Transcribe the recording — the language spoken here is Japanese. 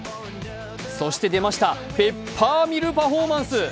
そして出ました、ペッパーミルパフォーマンス。